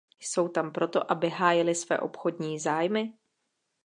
Jsou tam proto, aby hájily své obchodní zájmy?